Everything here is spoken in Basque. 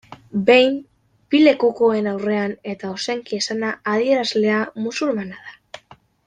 Behin bi lekukoen aurrean eta ozenki esana, adierazlea musulmana da.